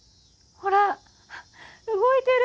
ほら、動いてる。